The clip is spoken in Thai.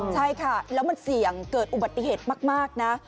ใช่ค่ะแล้วมันเสี่ยงเกิดอุบัติเหตุมากนะ